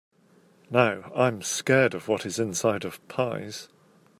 Now, I’m scared of what is inside of pies.